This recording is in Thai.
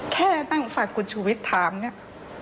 แค่นั่งฟังกูชุวิตถามเนี่ย